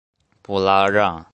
布拉让。